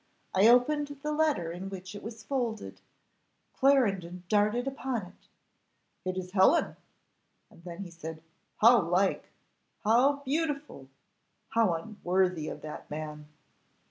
I opened the paper in which it was folded; Clarendon darted upon it 'It is Helen!' and then he said. 'How like! how beautiful! how unworthy of that man!